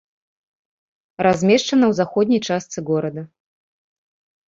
Размешчана ў заходняй частцы горада.